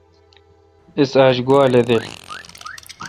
اِس آج گوا لدیل۔